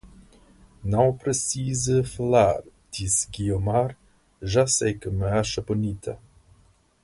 Não precisa falar, disse Guiomar, já sei que me acha bonita